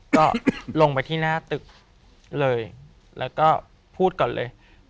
ก็ลงไปที่หน้าตึกเลยแล้วก็พูดก่อนเลย